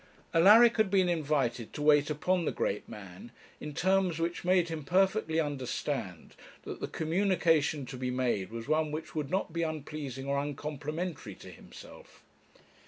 Alaric had been invited to wait upon the great man, in terms which made him perfectly understand that the communication to be made was one which would not be unpleasing or uncomplimentary to himself.